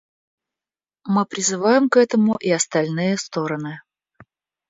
Мы призываем к этому и остальные стороны.